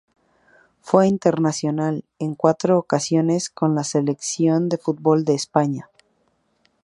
Fue internacional en cuatro ocasiones con la Selección de fútbol de España.